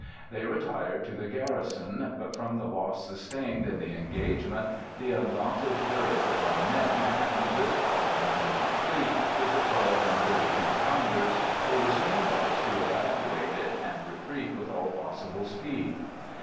They retired to the Garrison, but from the loss sustained in the engagement, the undaunted courage of our men, and the brisk firing from our fleet, with the 12 and 32 pounders, they were soon obliged to evacuate it and retreat with all possible speed.